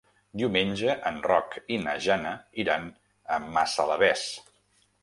Diumenge en Roc i na Jana iran a Massalavés.